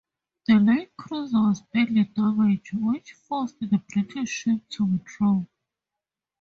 The light cruiser was badly damaged, which forced the British ships to withdraw.